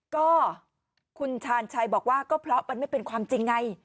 ก็คุณชาญชัยบอกว่าก็เพราะมันไม่เป็นความจริงไง